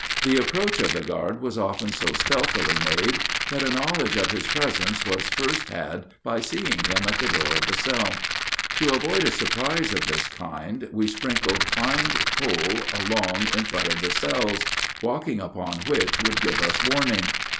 The approach of the guard was often so stealthily made that a knowledge of his presence was first had by seeing him at the door of the cell. To avoid a surprise of this kind we sprinkled fine coal along in front of the cells, walking upon which would give us warning.